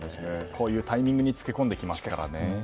こういうタイミングに付け込んできますからね。